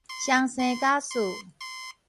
雙生瓦斯